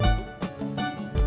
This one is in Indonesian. sampai jumpa lagi